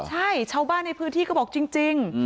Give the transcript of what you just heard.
ใช่ชาวบ้านในพื้นที่ก็บอกจริง